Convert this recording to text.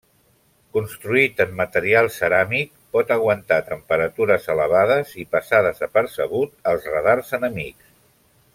Construït en material ceràmic pot aguantar temperatures elevades i passar desapercebut als radars enemics.